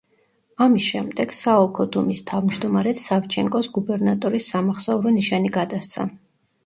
ამის შემდეგ, საოლქო დუმის თავმჯდომარედ სავჩენკოს გუბერნატორის სამახსოვრო ნიშანი გადასცა.